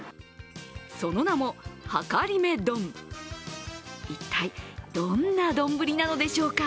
その名も、はかりめ丼、一体どんな丼なのでしょうか。